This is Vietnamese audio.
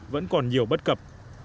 vẫn còn nhiều bất cập